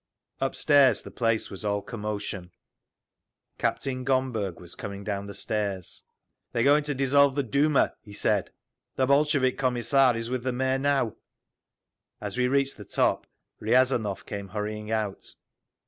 Upstairs the place was all commotion. Captain Gomberg was coming down the stairs. "They're going to dissolve the Duma," he said. "The Bolshevik Commissar is with the Mayor now." As we reached the top Riazanov came hurrying out.